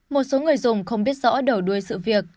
một số người dùng không biết rõ đầu đuôi sự việc